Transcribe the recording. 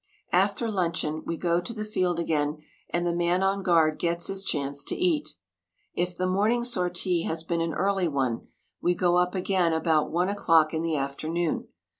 After luncheon we go to the field again, and the man on guard gets his chance to eat. If the morning sortie has been an early one, we go up again about one o'clock in the afternoon.